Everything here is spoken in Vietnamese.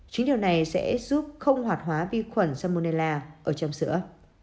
chính điều này sẽ giúp không hoạt hóa vi khuẩn salmonella ở trong sữa